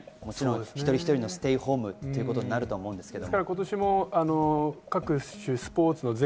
一人一人のステイホームということになると思うんですけれども。